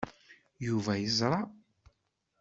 Yuba yeẓṛa.